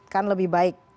kan lebih baik